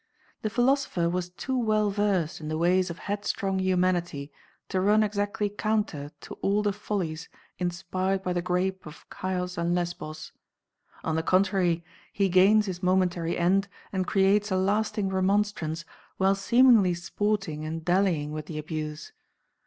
The philosopher was too well versed in the ways of headstrong humanity to run exactly counter to all the follies inspired by the grape of Chios and Lesbos. On the contrary, he gains his momentary end and creates a lasting remonstrance while seemingly sporting and dallying with the abuse.